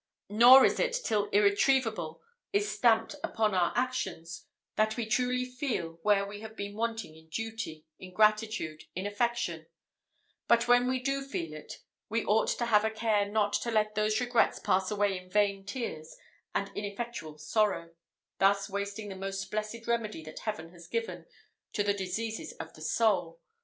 Nor is it till irretrievable is stamped upon our actions, that we truly feel where we have been wanting in duty, in gratitude, in affection; but when we do feel it, we ought to have a care not to let those regrets pass away in vain tears and ineffectual sorrow, thus wasting the most blessed remedy that Heaven has given to the diseases of the soul.